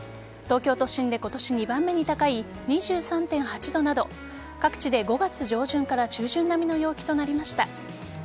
東京都心で今年２番目に高い２３．８度など各地で５月上旬から中旬並みの陽気となりました。